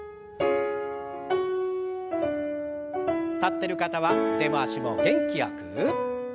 立ってる方は腕回しも元気よく。